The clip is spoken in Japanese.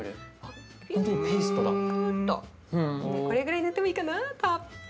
これぐらい塗ってもいいかな？